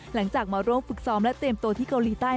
หลังจากมาร่วมฝึกซ้อมและเตรียมตัวที่เกาหลีใต้